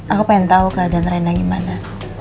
aku pengen tahu keadaan rena gimana